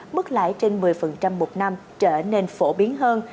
mức lãi trên một mươi một năm trở nên phổ biến hơn